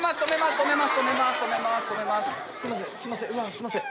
すいません